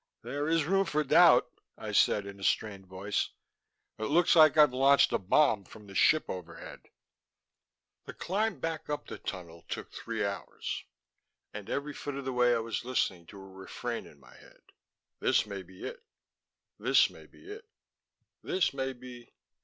"There is room for doubt," I said in a strained voice. "It looks like I've launched a bomb from the ship overhead." The climb back up the tunnel took three hours, and every foot of the way I was listening to a refrain in my head: This may be it; this may be it; this may be....